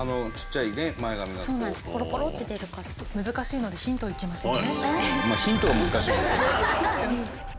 難しいのでヒントいきますね。